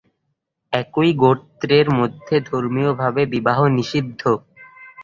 একই গোত্রের মধ্যে ধর্মীয়ভাবে বিবাহ নিষিদ্ধ।